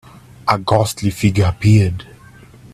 A ghostly figure appeared.